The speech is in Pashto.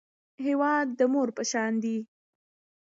هېواد د مور په شان دی